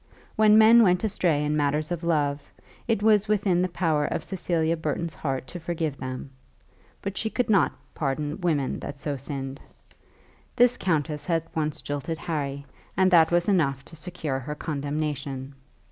When men went astray in matters of love it was within the power of Cecilia Burton's heart to forgive them; but she could not pardon women that so sinned. This countess had once jilted Harry, and that was enough to secure her condemnation.